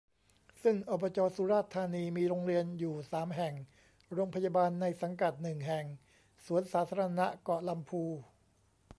ซึ่ง อบจ สุราษฏร์ธานี มีโรงเรียนอยู่ สาม แห่ง โรงพยาบาลในสังกัด หนึ่ง แห่ง สวนสาธารณะเกาะลำพู